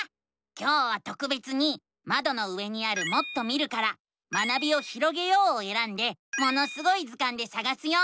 今日はとくべつにまどの上にある「もっと見る」から「学びをひろげよう」をえらんで「ものすごい図鑑」でさがすよ。